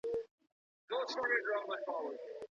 که زده کوونکی خپله ولیکي نو د بل چا نوټ ته اړتیا نلري.